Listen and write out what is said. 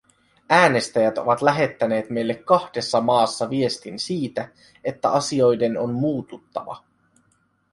Äänestäjät ovat lähettäneet meille kahdessa maassa viestin siitä, että asioiden on muututtava.